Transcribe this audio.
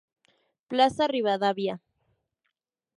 Plaza Rivadavia.